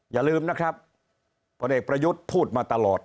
อย่าลืมนะครับพลเอกประยุทธ์พูดมาตลอด